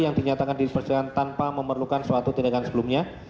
yang dinyatakan di persidangan tanpa memerlukan suatu tindakan sebelumnya